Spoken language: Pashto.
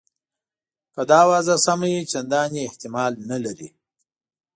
که دا آوازه سمه وي چنداني احتمال نه لري.